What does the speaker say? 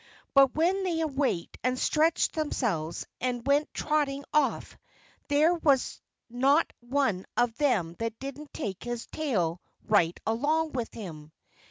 But when they awaked and stretched themselves, and went trotting off, there was not one of them that didn't take his tail right along with him.